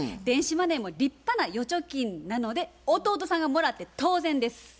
電子マネーも立派な預貯金なので弟さんがもらって当然です。